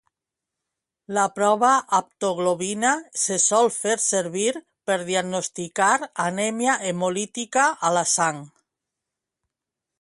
La prova haptoglobina se sol fer servir per diagnosticar anèmia hemolítica a la sang